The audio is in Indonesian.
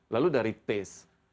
lalu dari taste